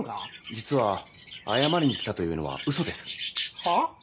実は謝りにきたというのはウソですはあ？